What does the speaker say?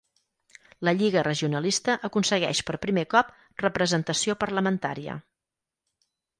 La Lliga Regionalista aconsegueix per primer cop representació parlamentària.